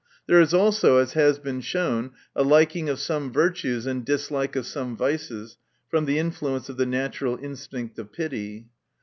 There is also, as has been shown, a liking of some virtues, and dislike of some vices, from the influence of the natural instinct of pity.